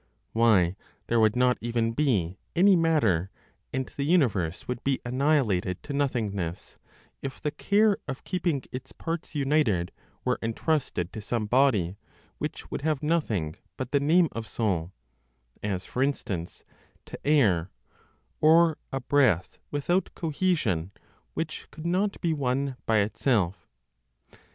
Why, there would not even be any matter, and the universe would be annihilated to nothingness, if the care of keeping its parts united were entrusted to some body which would have nothing but the name of soul, as for instance, to air, or a breath without cohesion, which could not be one, by itself.